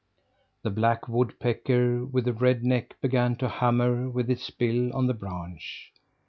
The black woodpecker, with the red neck, began to hammer with its bill on the branch.